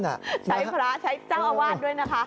ใช้พระใช้เจ้าอาวาสด้วยนะคะ